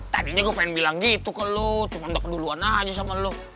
tadinya gue pengen bilang gitu ke lo cuma bak duluan aja sama lo